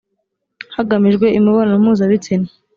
hagamijwe imibonano mpuzabitsina